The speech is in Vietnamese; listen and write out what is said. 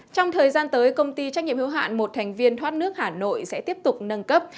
trong thời gian tới công ty trách nhiệm hữu hạn một thành viên thoát nước hà nội sẽ tiếp tục nâng cấp